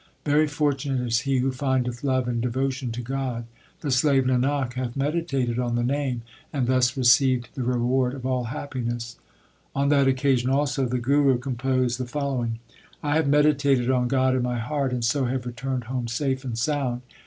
Very fortunate is He who findeth Love and devotion to God. The slave Nanak hath meditated on the Name, And thus received the reward of all happiness. LIFE OF GURU ARJAN 41 On that occasion, also, the Guru composed the following : I have meditated on God in my heart, And so have returned home safe and sound.